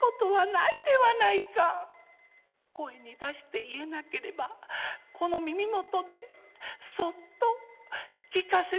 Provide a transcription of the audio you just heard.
声に出して言えなければこの耳元でそっと聞かせてください。